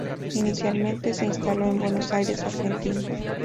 Inicialmente se instaló en Buenos Aires, Argentina.